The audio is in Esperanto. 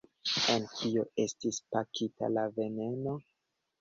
En kio estis pakita la veneno?